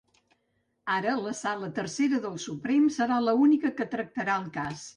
Ara la sala tercera del Suprem serà l’única que tractarà el cas.